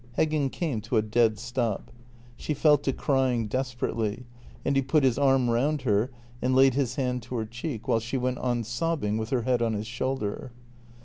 Heggen came to a dead stop. She fell to crying desperately, and he put his arm round her and laid his hand to her cheek while she went on sobbing with her head on his shoulder.